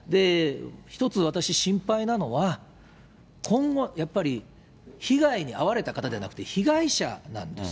一つ、私、心配なのは、今後、やっぱり、被害に遭われた方ではなくて、被害者なんです。